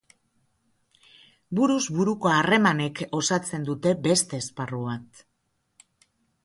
Buruz buruko harremanek osatzen dute beste esparru bat.